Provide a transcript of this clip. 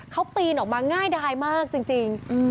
เขาปีนออกมาง่ายดายมากจริง